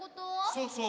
そうそう。